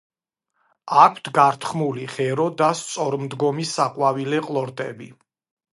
აქვს გართხმული ღერო და სწორმდგომი საყვავილე ყლორტები.